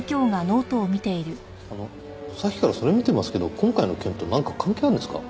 あのさっきからそれ見てますけど今回の件となんか関係あるんですか？